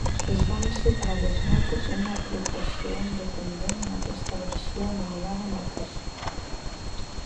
Es van separar les notes en una aplicació independent en aquesta versió, anomenada Notes.